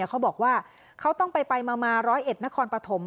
เขาบอกว่าเขาต้องไปมาร้อยเอ็ดนครปฐม